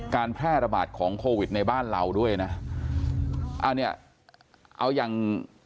การแพร่ระบาดของโควิดในบ้านเราด้วยนะอ่าเนี่ยเอาอย่าง